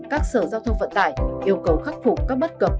các sở giao thông vận tải yêu cầu khắc phục các bất cập